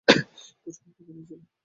প্রশিক্ষণ কোথায় নিয়েছিলে?